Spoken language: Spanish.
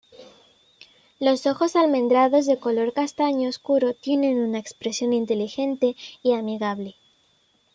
Los ojos almendrados de color castaño oscuro tienen una expresión inteligente y amigable.